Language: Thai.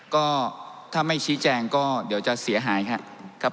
ก็ถ้าไม่ชี้แจงก็เดี๋ยวจะเสียหายครับ